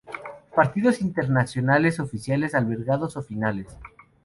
Partidos internacionales oficiales albergados o finales